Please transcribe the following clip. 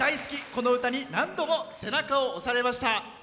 この歌に何度も背中を押されました。